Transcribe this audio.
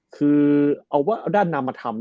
คือเอาด้านนามธรรม